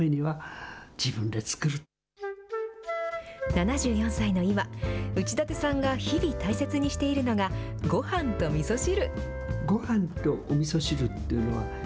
７４歳の今、内館さんが日々大切にしているのが、ごはんとみそ汁。